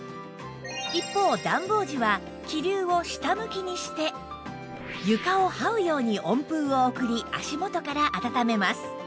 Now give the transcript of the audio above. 一方暖房時は気流を下向きにして床をはうように温風を送り足元から暖めます